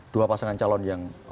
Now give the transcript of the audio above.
dua pasangan calon yang